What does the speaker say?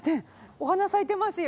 お花咲いてますよ！